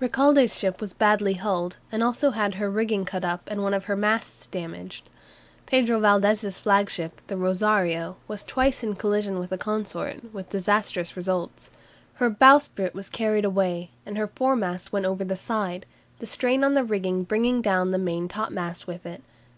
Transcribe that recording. Recalde's ship was badly hulled, and also had her rigging cut up and one of her masts damaged. Pedro Valdes's flagship, the "Rosario," was twice in collision with a consort, with disastrous results. Her bowsprit was carried away, and her foremast went over the side, the strain on the rigging bringing down the main topmast with it.